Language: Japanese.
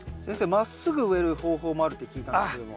まっすぐ植える方法もあるって聞いたんですけども。